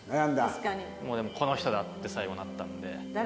でもこの人だ！って最後なったんで。